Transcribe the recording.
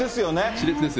しれつです。